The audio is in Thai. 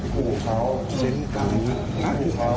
ขู่เขาเซ็นต์กังนะขู่เขา